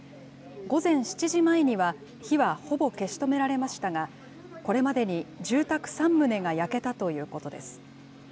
午前７時前には火はほぼ消し止められましたが、これまでに住宅３棟が焼けたということです。